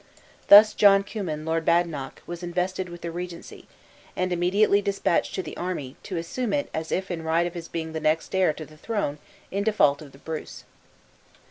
Thus John Cummin, Lord Badenoch, was invested with the regency, and immediately dispatched to the army, to assume it as if in right of his being the next heir to the throne in default of the Bruce.